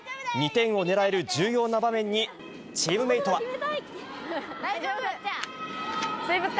２点をねらえる重要な場面に、チームメートは。